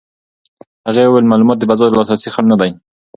هغې وویل معلولیت د فضا د لاسرسي خنډ نه دی.